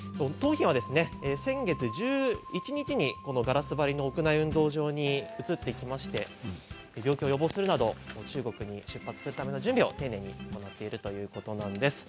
先月１１日にガラス張りの屋内運動場に移ってきまして病気を予防するなど中国に出発するための準備をしているということなんです。